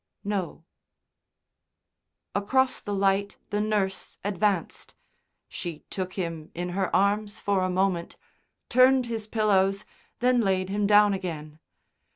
"No." Across the light the nurse advanced. She took him in her arms for a moment, turned his pillows, then layed him down again.